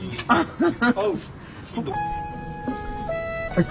はい。